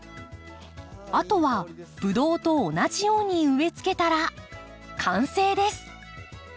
あとはブドウと同じように植え付けたら完成です。